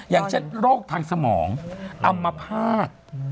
อย่างเช่นโรคทางสมองอัมพาต